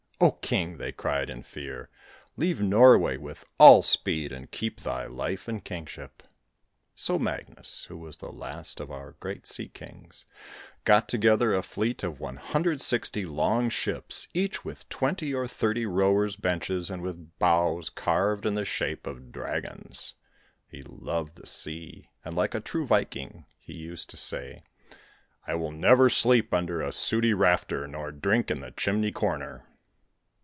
'Oh king,' they cried in fear. 'Leave Norway with all speed, and keep thy life and kingship.' So Magnus, who was the last of our great Sea Kings, got together a fleet of 160 long ships, each with twenty or thirty rowers' benches, and with bows carved in the shape of dragons. He loved the sea, and, like a true Viking, he used to say: 'I will never sleep under a sooty rafter nor drink in the chimney corner.'